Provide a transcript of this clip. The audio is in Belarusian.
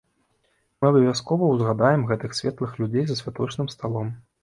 Мы абавязкова ўзгадаем гэтых светлых людзей за святочным сталом.